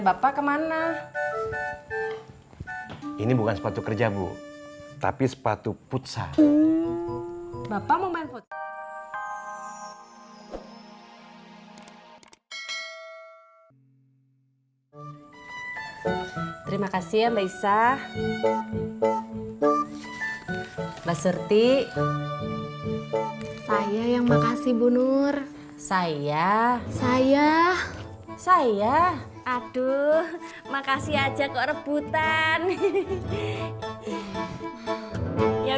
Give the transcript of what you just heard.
sampai jumpa di video selanjutnya